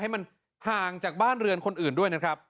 ให้มันห่างจากบ้านเรือนคนอื่นด้วยนะครับ